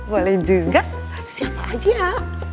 boleh juga siapa aja